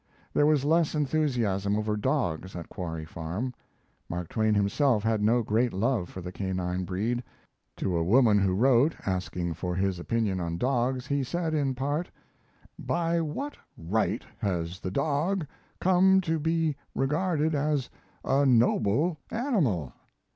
There was less enthusiasm over dogs at Quarry Farm. Mark Twain himself had no great love for the canine breed. To a woman who wrote, asking for his opinion on dogs, he said, in part: By what right has the dog come to be regarded as a "noble" animal?